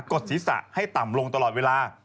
ดศีรษะให้ต่ำลงตลอดเวลา